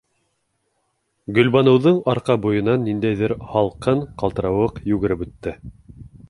Гөлбаныуҙың арҡа буйынан ниндәйҙер һалҡын ҡалтырауыҡ йүгереп үтте.